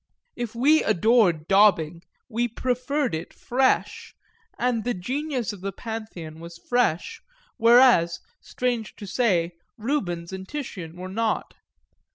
If we adored daubing we preferred it fresh, and the genius of the Pantheon was fresh, whereas, strange to say, Rubens and Titian were not.